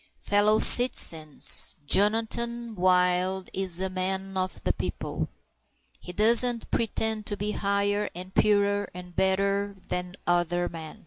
Fellow citizens, Jonathan Wild is a man of the people. He doesn't pretend to be higher and purer and better than other men.